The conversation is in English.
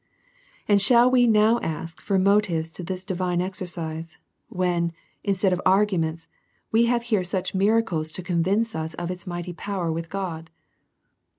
And shall we now ask for motives to this divine exercise, when, instead of arguments, we have here such miracles to convince us of this mighty power with God?